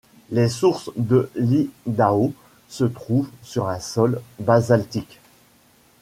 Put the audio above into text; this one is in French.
Les sources de l'Idaho se trouvent sur un sol basaltique.